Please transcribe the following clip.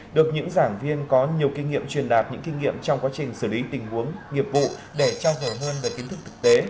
được những giảng viên có nhiều kinh nghiệm truyền đạt những kinh nghiệm trong quá trình xử lý tình huống nghiệp vụ để trao dở hơn về kiến thức thực tế